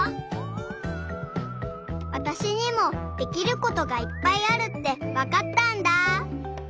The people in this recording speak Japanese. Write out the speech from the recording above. わたしにもできることがいっぱいあるってわかったんだ。